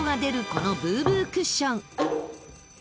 このブーブークッション。